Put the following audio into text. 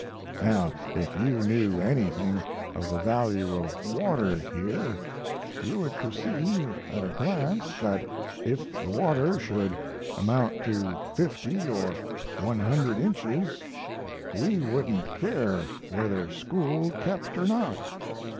Now, if you knew anything of the value of water here, you would perceive at a glance that if the water should amount to 50 or 100 inches, we wouldn't care whether school kept or not.